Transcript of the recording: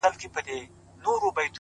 بيا کرار کرار د بت و خواته گوري